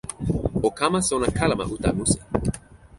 o kama sona kalama uta musi